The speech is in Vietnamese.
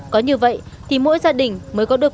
có như vậy thì mỗi gia đình mới có được